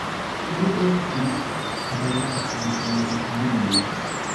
Ili estis parolataj en Italio.